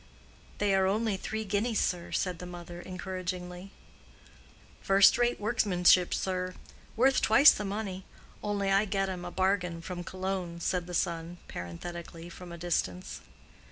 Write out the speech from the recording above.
"They are only three guineas, sir," said the mother, encouragingly. "First rate workmanship, sir—worth twice the money; only I get 'em a bargain from Cologne," said the son, parenthetically, from a distance.